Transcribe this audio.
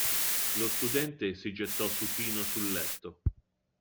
Lo studente si gettò supino sul letto.